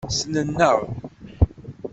Ssnen-aɣ.